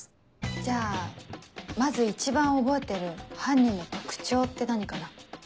じゃあまず一番覚えてる犯人の特徴って何かな？